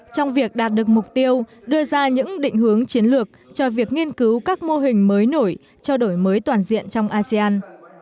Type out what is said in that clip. trong việc đạt được mục tiêu đưa ra những định hướng chiến lược cho việc nghiên cứu các mô hình mới nổi cho đổi mới toàn diện trong asean